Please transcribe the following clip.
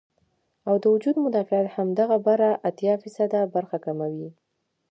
او د وجود مدافعت هم دغه بره اتيا فيصده برخه کموي